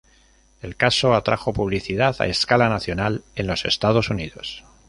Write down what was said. El caso atrajo publicidad a escala nacional en los Estados Unidos.